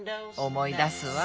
思い出すわ。